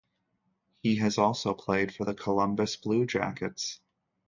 He has also played for the Columbus Blue Jackets.